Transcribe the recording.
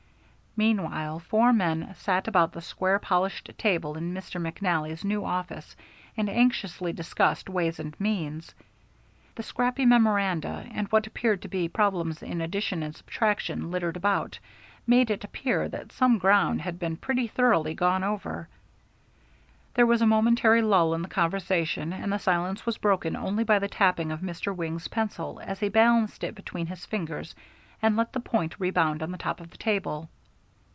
Meanwhile four men sat about the square polished table in Mr. McNally's new office and anxiously discussed ways and means. The scrappy memoranda and what appeared to be problems in addition and subtraction littered about, made it appear that some ground had been pretty thoroughly gone over. There was a momentary lull in the conversation, and the silence was broken only by the tapping of Mr. Wing's pencil as he balanced it between his fingers and let the point rebound on the top of the table.